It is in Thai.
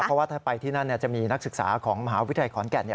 เพราะว่าถ้าไปที่นั่นจะมีนักศึกษาของมหาวิทยาลัยขอนแก่น